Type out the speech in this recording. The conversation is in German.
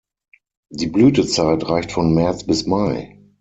Die Blütezeit reicht von März bis Mai.